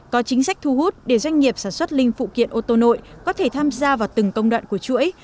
có chính sách thu hút để doanh nghiệp sản xuất linh phụ kiện ô tô nội có thể tham gia vào từng công đoạn của chuỗi